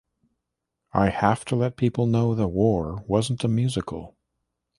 I have to let people know the war wasn't a musical.